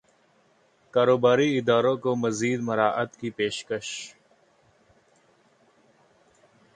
کاروباری اداروں کو مزید مراعات کی پیشکش